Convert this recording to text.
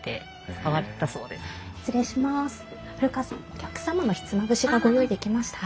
お客様のひつまぶしがご用意できました。